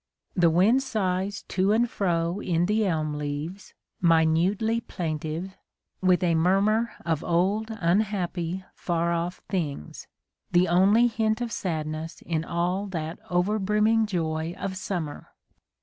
The wind sighs to and fro in the elm leaves, minutely plaintive, with a mur mur of "old unhappy far off things," the only hint of sadnes*' in all that overbrimming joy of summer.